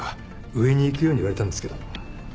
上に行くように言われたんですけど。